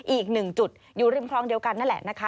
อีกหนึ่งจุดอยู่ริมคลองเดียวกันนั่นแหละนะคะ